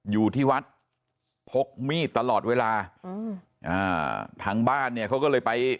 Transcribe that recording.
อยู่ที่วัดพกมีดตลอดเวลาอืมอ่าทางบ้านเนี่ยเขาก็เลยไป